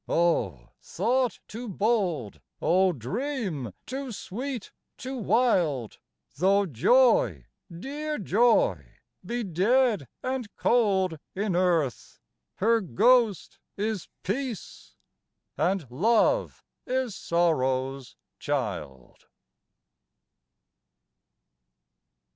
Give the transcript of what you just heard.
O thought too bold, O dream too sweet, too wild? Though joy dear joy be dead and cold in earth, Her ghost is peace, and love is sorrow's child.